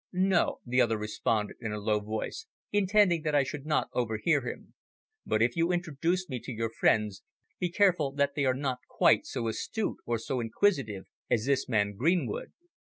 "No," the other responded in a low voice, intending that I should not overhear him, "but if you introduce me to your friends be careful that they are not quite so astute or so inquisitive as this man Greenwood.